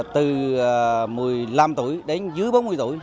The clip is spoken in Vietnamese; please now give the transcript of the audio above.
từ một mươi năm tuổi đến dưới bốn mươi tuổi